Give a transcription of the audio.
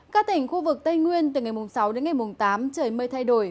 các tỉnh khu vực tây nguyên từ ngày sáu đến ngày mùng tám trời mây thay đổi